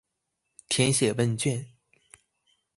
填寫問卷